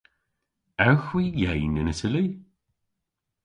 Ewgh hwi yeyn yn Itali?